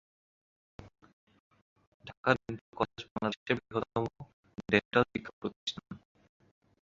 Dhaka dental college বাংলাদেশের বৃহত্তম dental শিক্ষা প্রতিষ্ঠান।